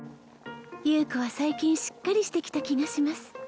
優子は最近しっかりしてきた気がします